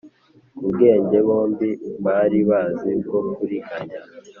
ku bwenge bombi bari bazi bwo kuriganya.